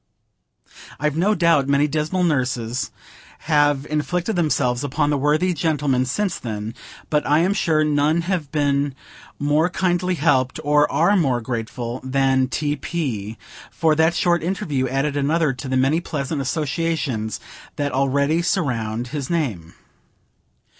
I've no doubt many dismal nurses have inflicted themselves upon the worthy gentleman since then; but I am sure none have been more kindly helped, or are more grateful, than T. P.; for that short interview added another to the many pleasant associations that already surround his name.